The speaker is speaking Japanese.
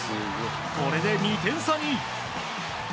これで２点差に。